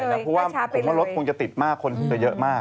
เพราะว่าผมว่ารถคงจะติดมากคนคงจะเยอะมาก